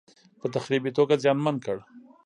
په تخریبي توګه زیانمن کړ.